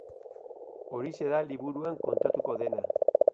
Horixe da liburuan kontatuko dena.